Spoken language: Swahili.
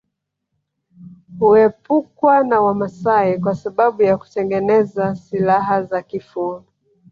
Huepukwa na Wamaasai kwa sababu ya kutengeneza silaha za kifo